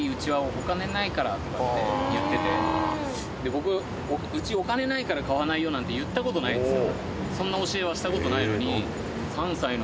僕「うちお金ないから買わないよ」なんて言った事ないんですよ。